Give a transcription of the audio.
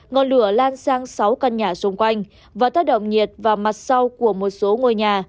ngọn lửa lan sang sáu căn nhà xung quanh và tác động nhiệt và mặt sau của một số ngôi nhà